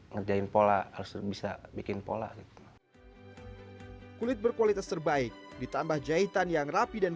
ngerjain pola harus bisa bikin pola gitu kulit berkualitas terbaik ditambah jahitan yang rapi dan